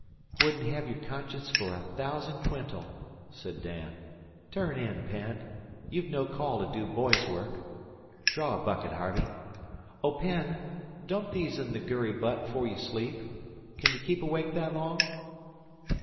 "'Wouldn't hev your conscience fer a thousand quintal," said Dan. "Turn in, Penn. You've no call to do boy's work. Draw a bucket, Harvey. Oh, Penn, dump these in the gurry butt 'fore you sleep. Kin you keep awake that long?"